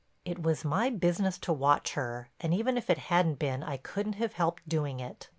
It was my business to watch her and even if it hadn't been I couldn't have helped doing it.